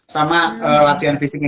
sama latihan fisiknya